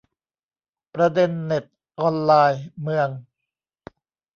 ประเด็นเน็ต ออนไลน์ เมือง